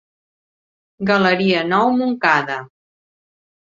Galeria Nou Montcada.